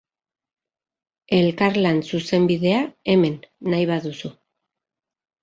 Elkarlan zuzenbidea, hemen, nahi baduzu.